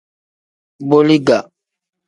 Boliga.